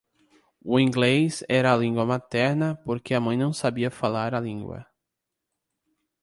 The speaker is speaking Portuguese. O inglês era a língua materna porque a mãe não sabia falar a língua.